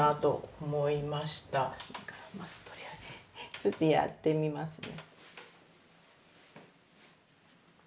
ちょっとやってみますね。